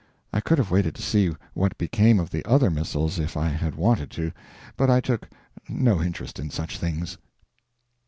I could have waited to see what became of the other missiles if I had wanted to, but I took no interest in such things.